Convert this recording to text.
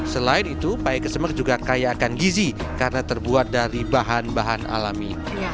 selain itu paya kesembek juga kaya akan gizi karena terbuat dari bahan bahan alami